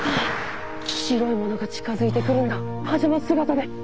白いものが近づいてくるんだパジャマ姿で！